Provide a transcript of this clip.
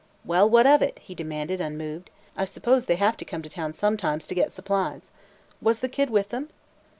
"Well, what of it?" he demanded, unmoved. "I suppose they have to come to town sometimes to get supplies. Was the kid with them?"